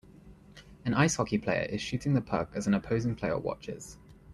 An ice hockey player is shooting the puck as an opposing player watches.